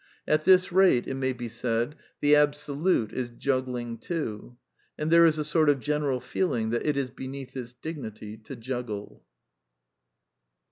At this rate, it may be said, the Absolute is juggling, too. And there is a sort of general feeling that it is beneath its dignity to juggle.